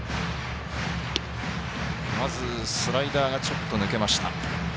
まずスライダーがちょっと抜けました。